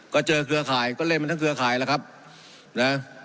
ก็เจอเครือข่ายก็เล่นมันทั้งเครือข่ายแล้วครับนะ